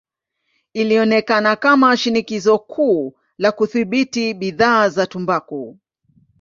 Ilionekana kama shinikizo kuu la kudhibiti bidhaa za tumbaku.